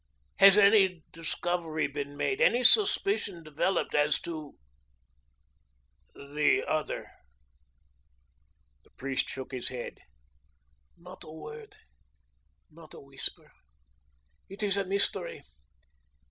Has any discovery been made, any suspicion developed, as to the Other?" The priest shook his head. "Not a word, not a whisper. It is a mystery.